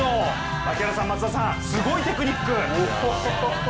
松田さん、槙原さん、すごいテクニック！